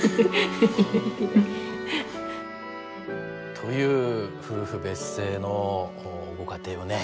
という夫婦別姓のご家庭をね